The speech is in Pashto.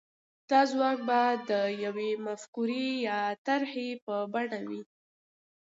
دا ځواک به د يوې مفکورې يا طرحې په بڼه وي.